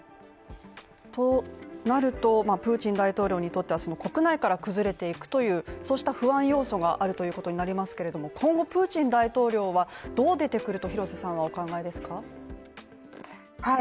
となると、プーチン大統領にとっては国内から崩れていくという、そうした不安要素があるということになりますけども今後、プーチン大統領はどう出てくるとお考えですか。